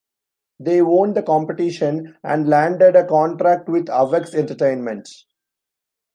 They won the competition, and landed a contract with Avex Entertainment.